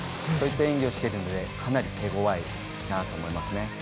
そういった演技をしているのでかなり手ごわいと思います。